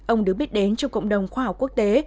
ông được biết đến trong cộng đồng khoa học quốc tế